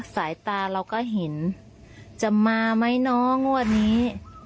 สายตาเราก็เห็นจะมามั้ยน้องวันนี้